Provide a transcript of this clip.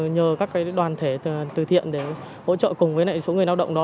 nhờ các đoàn thể từ thiện để hỗ trợ cùng với số người lao động đó